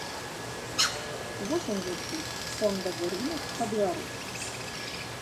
Вось ён які, фондавы рынак па-беларуску.